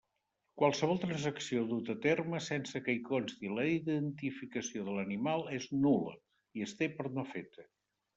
Qualsevol transacció duta a terme sense que hi consti la identificació de l'animal és nul·la i es té per no feta.